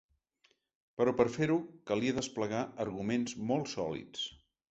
Però per fer-ho calia desplegar arguments molt sòlids.